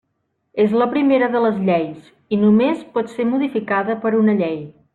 És la primera de les lleis, i només pot ser modificada per una llei.